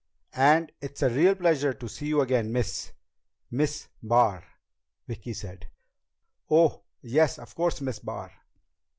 "And it's a real pleasure to see you again, Miss " "Miss Barr," Vicki said. "Oh, yes, of course. Miss Barr.